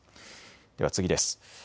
では次です。